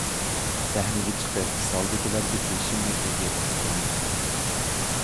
سەھنىگە چىقىپ، زالدىكىلەرگە بېشىمنى ئېگىپ سالام بەردىم.